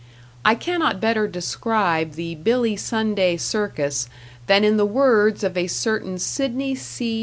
I cannot better describe the Billy Sunday circus than in the words of a certain Sidney C.